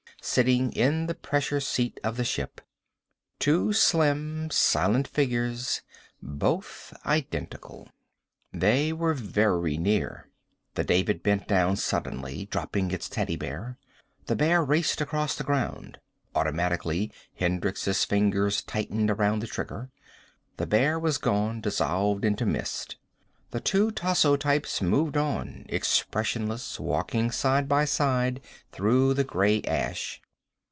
Sitting in the pressure seat of the ship. Two slim, silent figures, both identical. They were very near. The David bent down suddenly, dropping its teddy bear. The bear raced across the ground. Automatically, Hendricks' fingers tightened around the trigger. The bear was gone, dissolved into mist. The two Tasso Types moved on, expressionless, walking side by side, through the gray ash.